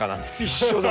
一緒だ！